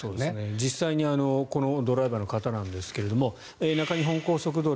実際にこのドライバーの方なんですが中日本高速道路